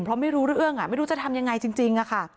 เพราะไม่รู้เรื่องไม่รู้จะทำยังไงจริงค่ะ